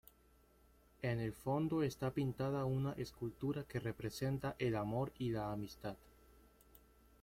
En el fondo está pintada una escultura que representa el amor y la amistad.